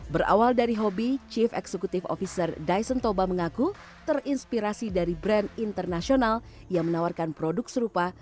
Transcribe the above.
berawal dari hobi chief executive officer daison toba mengaku terinspirasi dari brand internasional yang menawarkan produk serupa